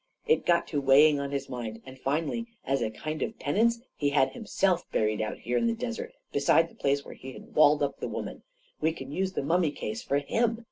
It got to weighing on his mind; and finally, as a kind of penance, he had himself buried out here in the desert beside the place where he had walled up the woman — we can use the mummy case for him